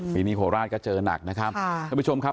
ปีนี้โคราชก็เจอหนักนะครับท่านผู้ชมครับ